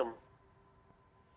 ya semuanya ke